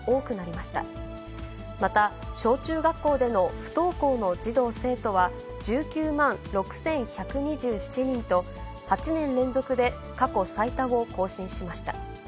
また、小中学校での不登校の児童・生徒は１９万６１２７人と、８年連続で過去最多を更新しました。